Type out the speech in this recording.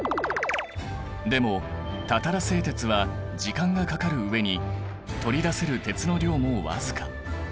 でもたたら製鉄は時間がかかる上に取り出せる鉄の量も僅か。